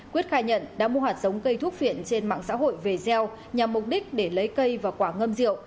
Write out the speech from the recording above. quyết khai nhận đã mua hạt giống cây thuốc phiện trên mạng xã hội về gieo nhằm mục đích để lấy cây và quả ngâm rượu